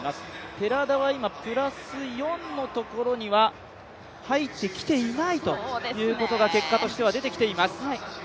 寺田はプラス４のところには入ってきていないということが結果としては出てきています。